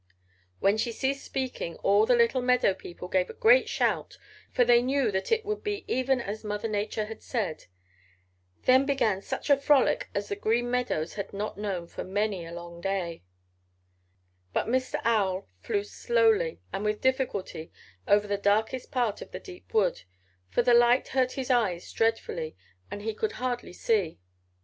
"When she ceased speaking all the little meadow people gave a great shout, for they knew that it would be even as Mother Nature had said. Then began such a frolic as the Green Meadows had not known for many a long day. "But Mr. Owl flew slowly and with difficulty over to the darkest part of the deep wood, for the light hurt his eyes dreadfully and he could hardly see.